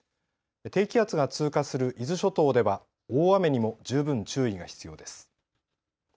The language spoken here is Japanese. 低気圧が通過する伊豆諸島では大雨にも十分注意が必要です。